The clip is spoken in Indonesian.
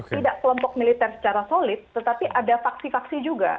tidak kelompok militer secara solid tetapi ada faksi faksi juga